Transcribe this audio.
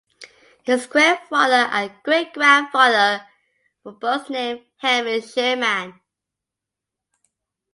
His grandfather and great grandfather were both named Henry Sherman.